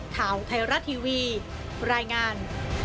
ข่าวไทราติวีรายงาน